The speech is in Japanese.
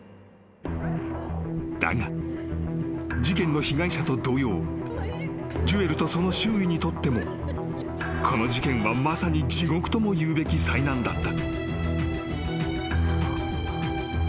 ［だが事件の被害者と同様ジュエルとその周囲にとってもこの事件はまさに地獄とも言うべき災難だった］